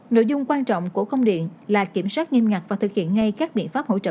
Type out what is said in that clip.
nội dung quan trọng của công điện là kiểm soát nghiêm ngặt và thực hiện ngay các biện pháp hỗ trợ